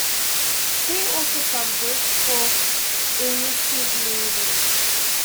See also subgroups of the Euclidean group.